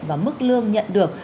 và mức lương nhận được